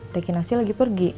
teh kirasi lagi pergi